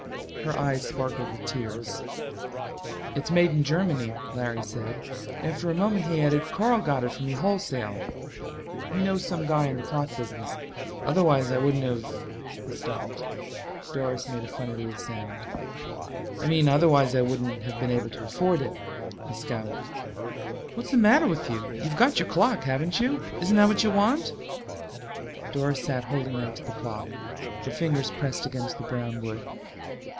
Her eyes sparkled with tears. "It's made in Germany," Larry said. After a moment he added, "Carl got it for me wholesale. He knows some guy in the clock business. Otherwise I wouldn't have " He stopped. Doris made a funny little sound. "I mean, otherwise I wouldn't have been able to afford it." He scowled. "What's the matter with you? You've got your clock, haven't you? Isn't that what you want?" Doris sat holding onto the clock, her fingers pressed against the brown wood.